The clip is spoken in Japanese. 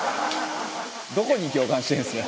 「どこに共感してるんですか」